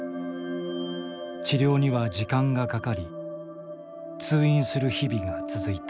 治療には時間がかかり通院する日々が続いた。